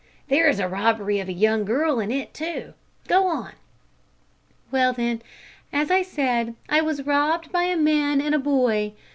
There is a robbery of a young girl in it too. Go on. " "Well, then, as I said, I was robbed by a man and a boy.